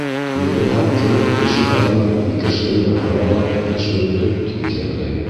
Юғиһә кемдер ишек алдына ике швеллер һала ла эш бөттө, тип иҫәпләй.